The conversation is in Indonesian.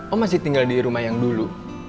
oh masih tinggal di rumah yang dulu